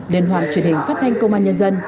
đền hoàng truyền hình phát thanh công an nhân dân